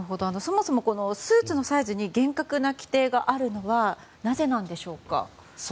そもそもスーツのサイズに厳格な規定があるのはなぜなんでしょうか？